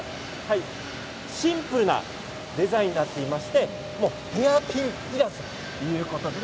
シンプルなデザインになっていてヘアピンいらずということなんです。